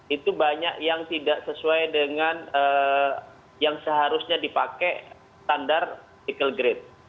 itu banyak yang tidak sesuai dengan yang seharusnya dipakai standar chical grade